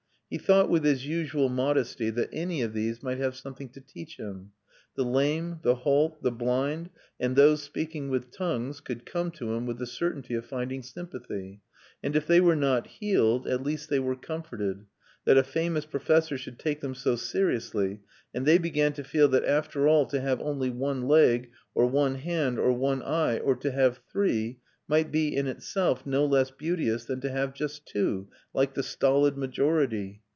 He thought, with his usual modesty, that any of these might have something to teach him. The lame, the halt, the blind, and those speaking with tongues could come to him with the certainty of finding sympathy; and if they were not healed, at least they were comforted, that a famous professor should take them so seriously; and they began to feel that after all to have only one leg, or one hand, or one eye, or to have three, might be in itself no less beauteous than to have just two, like the stolid majority.